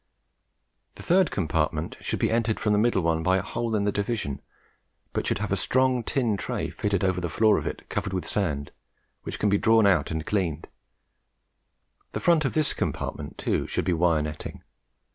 The third compartment should be entered from the middle one by a hole in the division, but should have a strong tin tray fitting over the floor of it covered with sand, which can be drawn out and cleaned; the front of this compartment, too, should be wire netting.